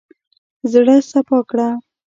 زړه سپا کړه.